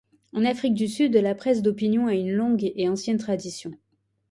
En Afrique du Sud, la presse d'opinion a une longue et ancienne tradition.